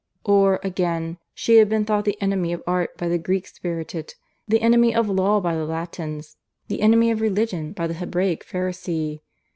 Or, again, she had been thought the enemy of Art by the Greek spirited; the enemy of Law by the Latins; the enemy of Religion by the Hebraic Pharisee.